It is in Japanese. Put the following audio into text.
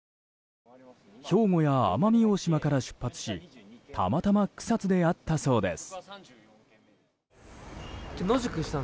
兵庫や奄美大島から出発したまたま草津で会ったそうです。